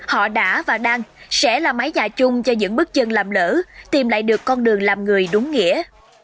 họ đã và đang sẽ là mái dạ chung cho những bước chân làm lỡ tìm lại được con đường làm người đúng nghĩa